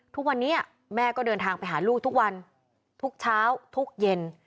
ทุกวันนี้แม่ก็เดินทางไปหาลูกทุกวันทุกเช้าทุกเย็น